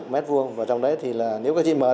bảy tám mươi m hai và trong đấy thì nếu các chị mở ra